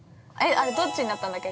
◆どっちになったんだっけ？